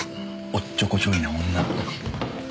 おっちょこちょいな女。